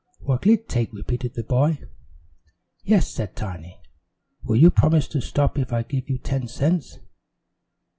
"What'll I take?" repeated the boy. "Yes," said Tiny, "will you promise to stop if I give you ten cents?"